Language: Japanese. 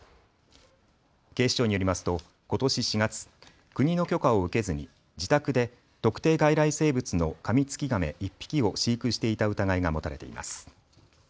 警視庁によりますとことし４月、国の許可を受けずに自宅で特定外来生物のカミツキガメ１匹を飼育していた疑いが持たれています。